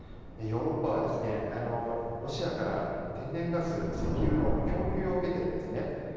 ヨーロッパはロシアから天然ガス、石油の供給を受けているんですね。